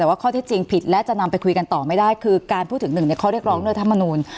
แต่ว่าข้อที่จริงผิดและจะนำไปคุยกันต่อไม่ได้คือการพูดถึงหนึ่งในข้อเรียกร้องด้วยธรรมนูล